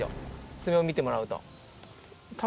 爪を見てもらうと。